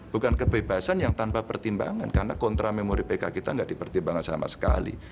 bukan kebebasan yang tanpa pertimbangan karena kontra memori pk kita tidak dipertimbangkan sama sekali